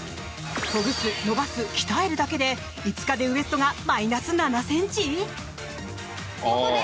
ほぐす・伸ばす・鍛えるだけで５日でウエストがマイナス７ｃｍ？